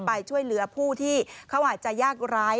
ไปช่วยเหลือผู้ที่เขาอาจจะยากร้าย